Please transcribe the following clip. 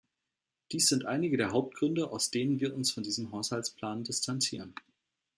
Dies sind einige der Hauptgründe, aus denen wir uns von diesem Haushaltsplan distanzieren.